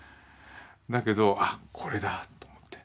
だけど「あっこれだ」と思って。